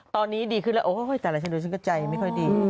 ตอนนี้ดีขึ้นแล้วแต่ละชั้นเดียวกับชั้นก็ใจไม่ค่อยดี